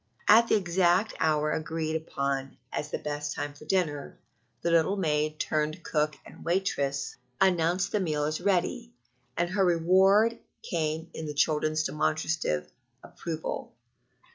At the exact hour agreed upon as the best time for dinner, the little maid, turned cook and waitress, announced the meal as ready, and her reward came in the children's demonstrative approval.